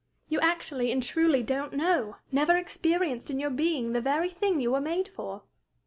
You actually and truly don't know, never experienced in your being the very thing you were made for."